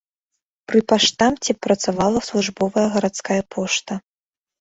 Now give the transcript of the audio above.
Пры паштамце працавала службовая гарадская пошта.